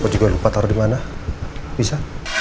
aku juga lupa taruh dimana bisa